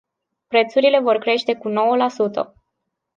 Prețurile vor crește cu nouă la sută.